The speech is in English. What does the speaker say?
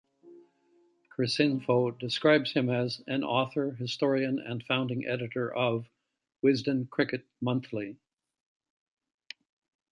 Cricinfo describes him as "an author, historian, and founding editor of "Wisden Cricket Monthly".